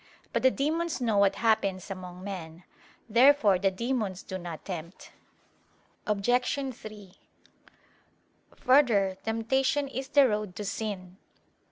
But the demons know what happens among men. Therefore the demons do not tempt. Obj. 3: Further, temptation is the road to sin.